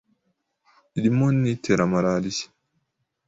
irimo n'itera malaria –